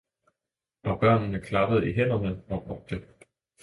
Og børnene klappede i hænderne og råbte.